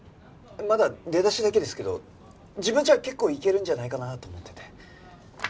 まだ出だしだけですけど自分じゃ結構いけるんじゃないかなと思ってて。